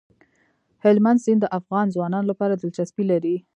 هلمند سیند د افغان ځوانانو لپاره دلچسپي لري.